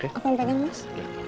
sini aku mau pegang mas